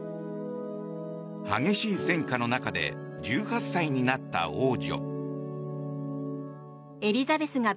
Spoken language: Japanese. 激しい戦火の中で１８歳になった王女。